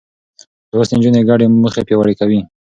لوستې نجونې ګډې موخې پياوړې کوي.